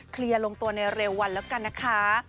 เคลียร์ลงตัวในเร็ววันแล้วกันนะคะ